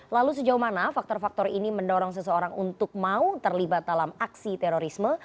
lalu sejauh mana faktor faktor ini mendorong seseorang untuk mau terlibat dalam aksi terorisme